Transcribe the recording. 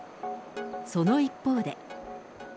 その一方で。